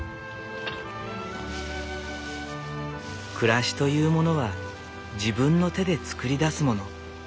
暮らしというものは自分の手で作り出すもの。